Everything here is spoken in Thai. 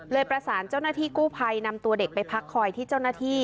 ประสานเจ้าหน้าที่กู้ภัยนำตัวเด็กไปพักคอยที่เจ้าหน้าที่